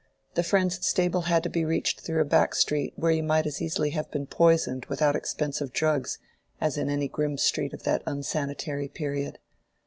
The friend's stable had to be reached through a back street where you might as easily have been poisoned without expense of drugs as in any grim street of that unsanitary period.